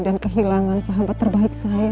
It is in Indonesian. dan kehilangan sahabat terbaik saya mas